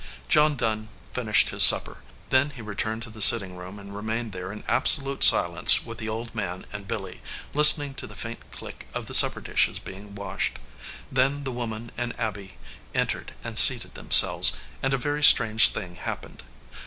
John Dunn finished his supper. Then he re turned to the sitting room and remained there in absolute silence with the old man and Billy, listen ing to the faint click of the supper dishes being washed. Then the woman and Abby entered and seated themselves, and a very strange thing hap pened.